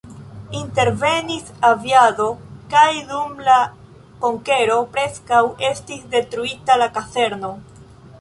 Intervenis aviado kaj dum la konkero preskaŭ estis detruita la kazerno.